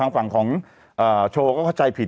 ฝั่งของโชว์ก็เข้าใจผิด